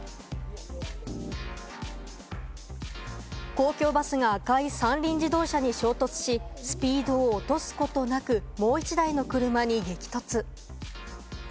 公共バスが赤い三輪自動車に衝突し、スピードを落とすことなく、もう１台の車に激突。